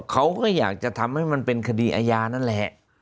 เขาก็อยากจะทำให้มันเป็นคดีอาญานั่นแหละ